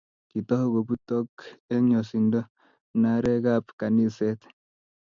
kitou kobutoko eng yosindo mnarekab kaniset